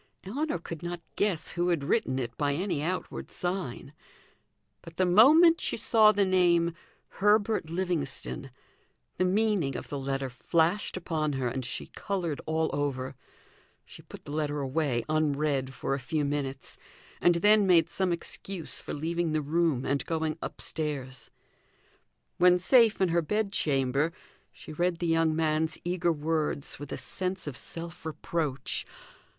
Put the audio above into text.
Ellinor could not guess who had written it by any outward sign; but the moment she saw the name "Herbert Livingstone," the meaning of the letter flashed upon her and she coloured all over. She put the letter away, unread, for a few minutes, and then made some excuse for leaving the room and going upstairs. When safe in her bed chamber, she read the young man's eager words with a sense of self reproach.